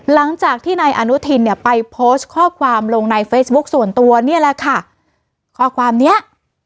หลังจากที่นายอนุทินเนี่ยไปโพสต์ข้อความลงในเฟซบุ๊คส่วนตัวเนี่ยแหละค่ะข้อความเนี้ย